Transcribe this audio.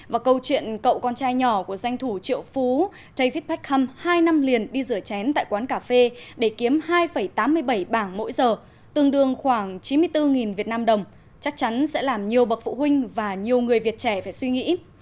và câu chuyện cậu con trai nhỏ của doanh thủ triệu phú chavit pách cum hai năm liền đi rửa chén tại quán cà phê để kiếm hai tám mươi bảy bảng mỗi giờ tương đương khoảng chín mươi bốn việt nam đồng chắc chắn sẽ làm nhiều bậc phụ huynh và nhiều người việt trẻ phải suy nghĩ